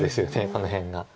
この辺が。